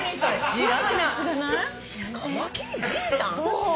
そう。